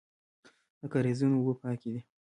د کاریزونو اوبه پاکې دي